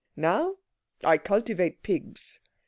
Now I cultivate pigs.